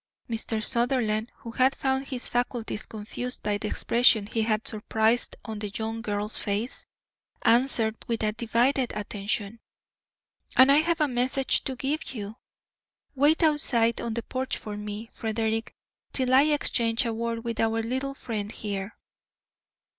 Mr. Sutherland, who had found his faculties confused by the expression he had surprised on the young girl's face, answered with a divided attention: "And I have a message to give you. Wait outside on the porch for me, Frederick, till I exchange a word with our little friend here."